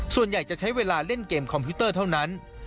ส่วนใหญ่จะใช้เวลาเล่นเกมคอมพิวเตอร์เท่านั้น